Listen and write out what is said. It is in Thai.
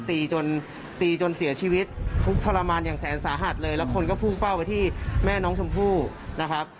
ตีจนตีจนเสียชีวิตทุกข์ทรมานอย่างแสนสาหัสเลยแล้วคนก็พุ่งเป้าไปที่แม่น้องชมพู่นะครับ